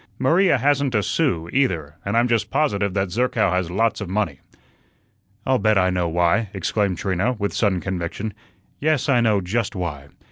Maria hasn't a sou, either, and I'm just positive that Zerkow has lots of money." "I'll bet I know why," exclaimed Trina, with sudden conviction; "yes, I know just why.